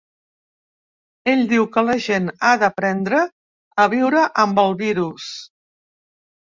Ell diu que la gent ha d’aprendre a viure amb el virus.